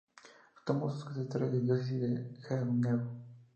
Tomó sus territorios de la diócesis de Juneau.